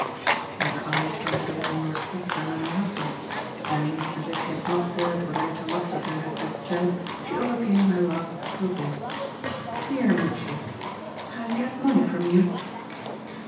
She had her eyes for a little on Lord Petherton and her husband; then as if she had not heard what her interlocutor had just said she overcame her last scruple. "Dear Mitchy, has he had money from you?"